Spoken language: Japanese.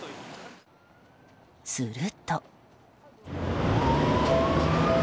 すると。